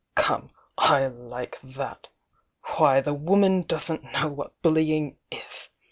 "Come, I like that!^ WW £ woman doesn't know what bullying is!